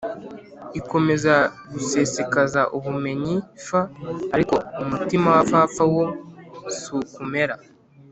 ikomeza gusesekaza ubumenyi f ariko umutima w abapfapfa wo si uko umera